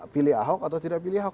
pilih ahok atau tidak pilih ahok